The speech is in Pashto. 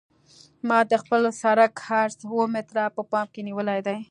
ما د خپل سرک عرض اوه متره په پام کې نیولی دی